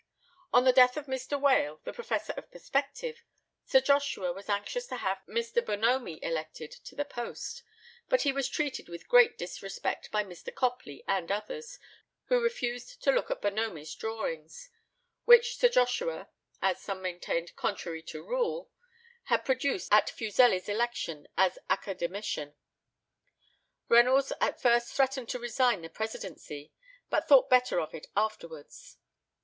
On the death of Mr. Wale, the Professor of Perspective, Sir Joshua was anxious to have Mr. Bonomi elected to the post, but he was treated with great disrespect by Mr. Copley and others, who refused to look at Bonomi's drawings, which Sir Joshua (as some maintained, contrary to rule) had produced at Fuseli's election as Academician. Reynolds at first threatened to resign the presidency; but thought better of it afterwards.